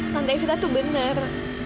tante elvita tuh benar